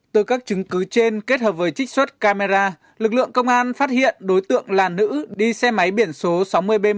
từ các chứng cứ trên kết hợp với trích xuất camera lực lượng công an phát hiện đối tượng là nữ đi xe máy biển số sáu mươi b một trăm linh sáu nghìn chín trăm ba mươi